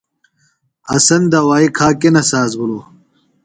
حسن دوائی کھا کینہ ساز بِھلوۡ ؟